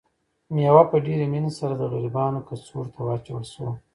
مېوه په ډېرې مینې سره د غریبانو کڅوړو ته واچول شوه.